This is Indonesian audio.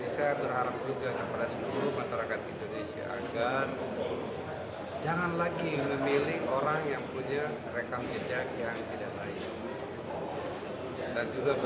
saya berharap juga kepada seluruh masyarakat indonesia agar